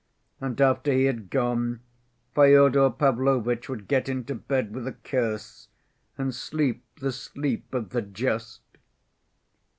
And after he had gone, Fyodor Pavlovitch would get into bed with a curse and sleep the sleep of the just.